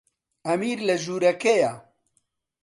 ئەمیر لە ژوورەکەیە.